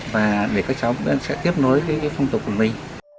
và để các cháu cũng sẽ tiếp nối với phong tục của mình